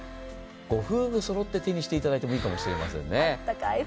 ご夫婦そろって手にしていただくのもいいかもしれませんね。